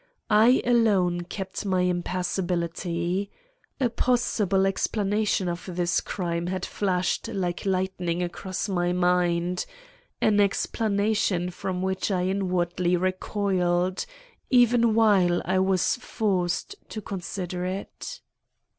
I alone kept my impassibility. A possible explanation of this crime had flashed like lightning across my mind; an explanation from which I inwardly recoiled, even while I was forced to consider it.